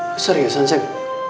besar ya sansek